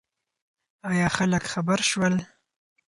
ایا خلک خبر شول؟